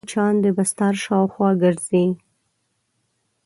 مچان د بستر شاوخوا ګرځي